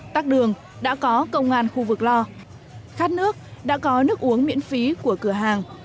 tắc đường đã có công an khu vực lo khát nước đã có nước uống miễn phí của cửa hàng